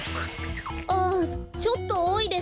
ああちょっとおおいです。